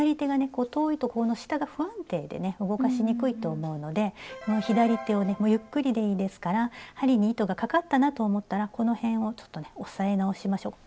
こう遠いとこの下が不安定でね動かしにくいと思うので左手をねゆっくりでいいですから針に糸がかかったなと思ったらこの辺をちょっとね押さえ直しましょう。